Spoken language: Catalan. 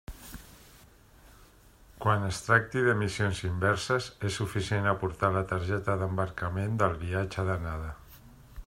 Quan es tracti de missions inverses, és suficient aportar la targeta d'embarcament del viatge d'anada.